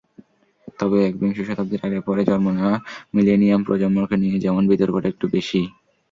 তবে একবিংশ শতাব্দীর আগে-পরে জন্ম নেওয়া মিলেনিয়াল প্রজন্মকে নিয়ে যেমন বিতর্কটা একটু বেশিই।